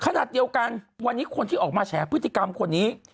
ขนาดเดียวกันวันนี้คนที่ออกมาแฉพฤติกรรมคนนี้